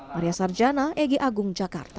maria sarjana egy agung jakarta